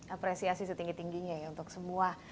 apresiasi setinggi tingginya ya untuk semua